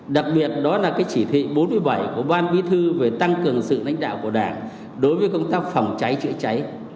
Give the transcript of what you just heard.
đặc biệt đó là chỉ thị bốn mươi bảy của ban bí thư về tăng cường sự lãnh đạo của đảng đối với công tác phòng cháy chữa cháy